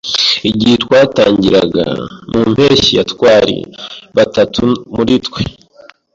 Igihe twatangiraga mu mpeshyi ya , twari batatu muri twe.